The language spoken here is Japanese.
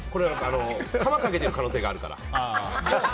カマかけている可能性があるから。